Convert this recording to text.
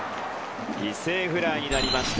犠牲フライになりました。